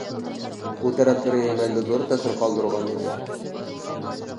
بۇ تەرەپلىرى مەندە زور تەسىر قالدۇرغان ئىدى.